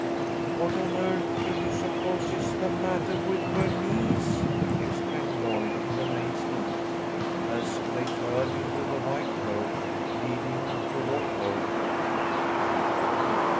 "What on earth do you suppose is the mattah with Bernice?" exclaimed Lloyd, in amazement, as they turned into the white road leading toward home.